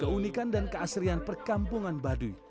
keunikan dan keasrian perkampungan baduy